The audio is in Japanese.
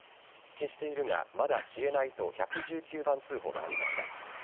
消しているがまだ消えないと１１９番通報がありました。